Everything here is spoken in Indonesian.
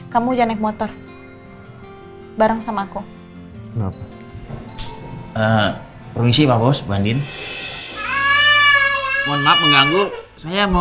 kalau kamu gak mau baikin sama saya